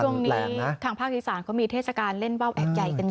ช่วงนี้ทางภาคอีสานเขามีเทศกาลเล่นว่าวแอบใหญ่กันอยู่